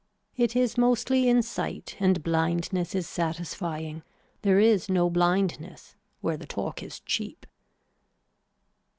It is mostly in sight and blindness is satisfying. There is no blindness where the talk is cheap.